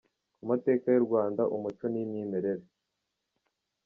ku mateka y’u Rwanda, umuco n’imyemerere